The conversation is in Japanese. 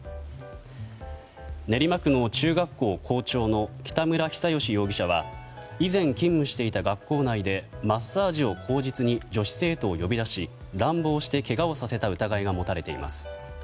練馬区の中学校校長の北村比左嘉容疑者は以前勤務していた学校内でマッサージを口実に女子生徒を呼び出し乱暴してけがをさせた疑いが持たれています。